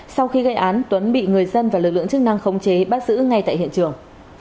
sau khi gây án tuấn bị người dân và lực lượng chức năng khống chế bắt giữ ngay tại hiện trường